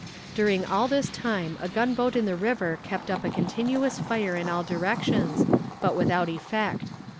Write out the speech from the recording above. During all this time a gunboat in the river kept up a continuous fire in all directions, but without effect.